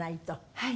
はい。